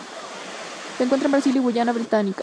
Se encuentra en Brasil y Guayana Británica.